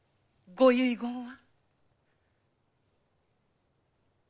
ご遺言は？